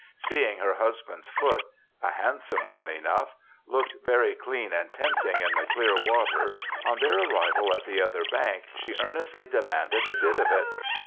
Seeing her husband's foot, a handsome one enough, looked very clean and tempting in the clear water, on their arrival at the other bank she earnestly demanded a bit of it.